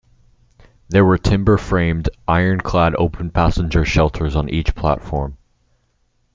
There were timber framed, iron clad open passenger shelters on each platform.